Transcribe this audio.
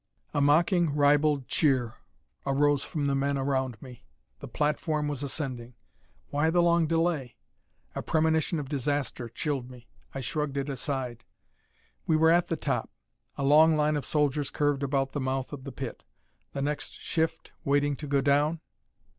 A mocking, ribald cheer arose from the men around me. The platform was ascending. Why the long delay? A premonition of disaster chilled me. I shrugged it aside. We were at the top. A long line of soldiers curved about the mouth of the pit. The next shift waiting to go down?